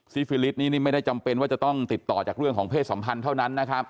ฟิลิสนี้นี่ไม่ได้จำเป็นว่าจะต้องติดต่อจากเรื่องของเพศสัมพันธ์เท่านั้นนะครับ